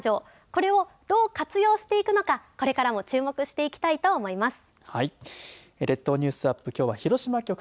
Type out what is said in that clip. これをどう活用していくのかこれからも注目していきたいと思います。